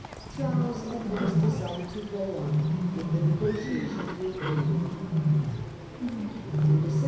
Charles at once decided to go on with the negotiations with Louis (see p.